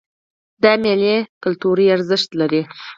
دا میلې کلتوري ارزښت لري.